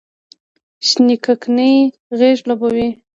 شینککۍ غیږ لوبوې،